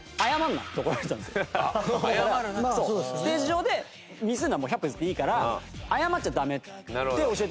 ステージ上でミスるのは百歩譲っていいから謝っちゃダメって教えてもらって。